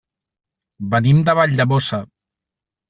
Venim de Valldemossa.